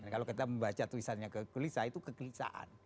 kalau kita membaca tulisannya kegelisah itu kegelisahan